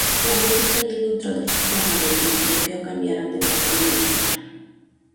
La música y el intro del sistema de desbloqueo cambiarán de manera inmediata.